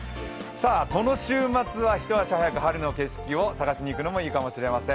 この週末は一足早く春の景色を探しにいくのもいいかもしれません。